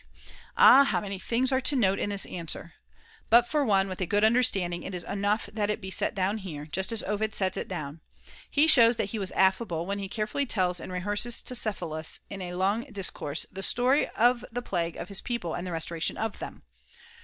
Ah, how many things are to note in this answer ! But for one with a good understanding it is enough that it be set down here, just as Ovid sets it down. He shows that he was affable when he carefully tells and rehearses to Cephalus in a long discourse the story of the plague of his people and the restoration of them.